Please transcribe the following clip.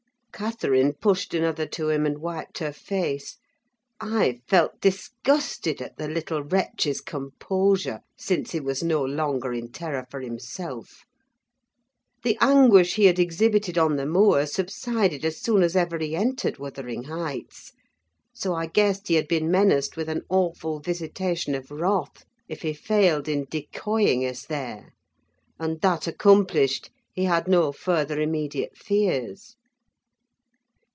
Catherine pushed another to him, and wiped her face. I felt disgusted at the little wretch's composure, since he was no longer in terror for himself. The anguish he had exhibited on the moor subsided as soon as ever he entered Wuthering Heights; so I guessed he had been menaced with an awful visitation of wrath if he failed in decoying us there; and, that accomplished, he had no further immediate fears.